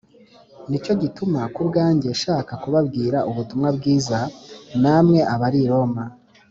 ni cyo gituma ku bwanjye nshaka kubabwira ubutumwa bwiza namwe abari i Roma.